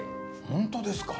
本当ですか？